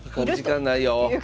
時間ないよ。